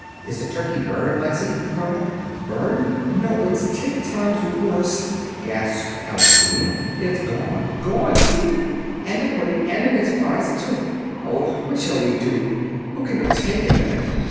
"Is the turkey burned, Lexy?" he cried. "Burned! No, it's ten times worse," gasped Alexina. "It's gone gone, Stephen. And the pudding and the mince pies, too. Oh, what shall we do? Who can have taken them?"